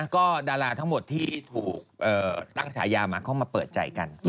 ก็ดาราทั้งหมดที่ถูกตั้งฉายามาเข้ามาเปิดใจกัน